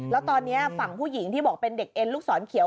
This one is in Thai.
แล้วตอนนี้ฝั่งผู้หญิงที่บอกเป็นเด็กเอ็นลูกศรเขียว